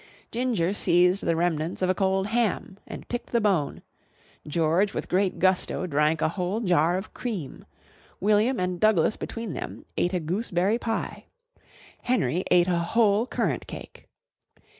Ginger seized the remnants of a cold ham and picked the bone, George with great gusto drank a whole jar of cream, William and Douglas between them ate a gooseberry pie, Henry ate a whole currant cake.